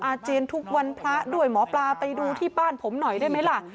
อาเจียนทุกวันพระด้วยหมอปลาไปดูที่บ้านผมหน่อยได้ไหมล่ะ